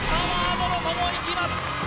もろともいきます